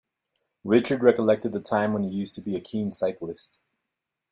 Richard recollected the time when he used to be a keen cyclist.